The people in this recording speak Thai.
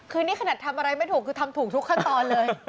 คือนี่ขนาดทำอะไรไม่ถูกคือทำถูกทุกขั้นตอนเลย